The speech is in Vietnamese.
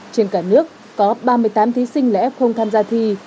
trên cả nước có ba mươi tám thí sinh lẽ không tham gia thi